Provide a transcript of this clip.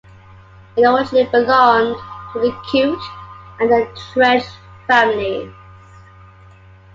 It originally belonged to the Coote and then Trench families.